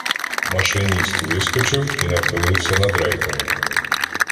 Машиніст вискочив і нахилився над рейками.